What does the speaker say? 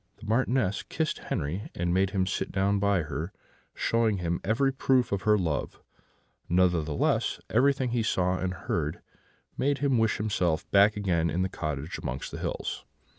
The Marchioness kissed Henri, and made him sit down by her, showing him every proof of her love; nevertheless, everything he saw and heard made him wish himself back again in the cottage amongst the hills.